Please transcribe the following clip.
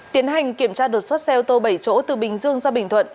tiến hành kiểm tra đột xuất xe ô tô bảy chỗ từ bình dương ra bình thuận